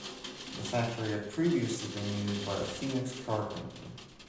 The factory had previously been used by the Phoenix car company.